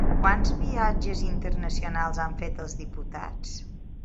Quants viatges internacionals han fet els diputats?